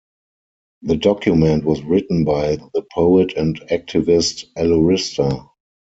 The document was written by the poet and activist, Alurista.